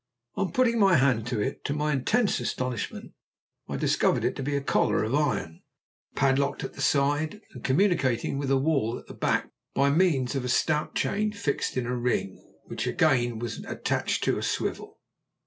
On putting my hand up to it, to my intense astonishment, I discovered it to be a collar of iron, padlocked at the side, and communicating with a wall at the back by means of a stout chain fixed in a ring, which again was attached to a swivel.